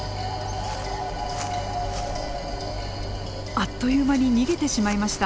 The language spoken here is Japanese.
あっという間に逃げてしまいました。